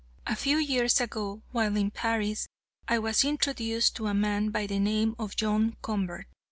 A few years ago, while in Paris, I was introduced to a man by the name of John Convert.